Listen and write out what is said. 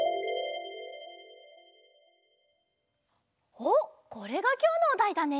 おっこれがきょうのおだいだね？